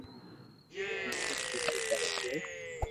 ناچين خوسي ڪري جي